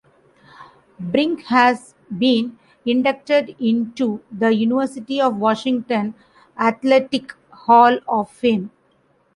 Brink has been inducted into the University of Washington Athletic Hall of Fame.